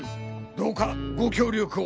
どうかご協力を。